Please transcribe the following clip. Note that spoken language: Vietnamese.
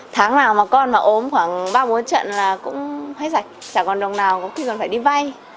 tháng nào mà con ốm khoảng ba bốn trận là cũng hết sạch còn đồng nào có khi còn phải đi vay